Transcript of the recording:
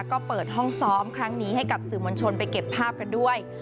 ก็เปิดห้องซ้อมครั้งนี้ให้กับสื่อมวลชนไปเก็บภาพกันด้วย